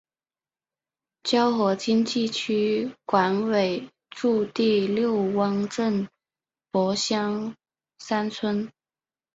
胶河经济区管委驻地六汪镇柏乡三村。